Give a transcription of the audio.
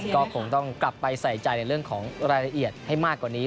ก็คงต้องกลับไปใส่ใจในเรื่องของรายละเอียดให้มากกว่านี้